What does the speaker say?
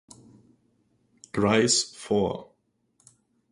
Grice" vor.